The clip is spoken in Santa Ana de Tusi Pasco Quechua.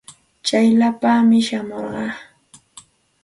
Tsayllapaami shamurqaa.